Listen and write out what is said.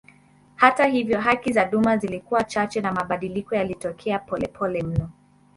Hata hivyo haki za duma zilikuwa chache na mabadiliko yalitokea polepole mno.